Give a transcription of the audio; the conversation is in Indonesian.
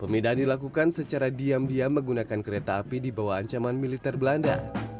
pemindahan dilakukan secara diam diam menggunakan kereta api di bawah ancaman militer belanda